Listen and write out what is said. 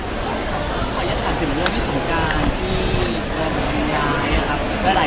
ขออยากถามถึงเรื่องที่ส่งการที่นายก็ส่งขนน้ำด้วย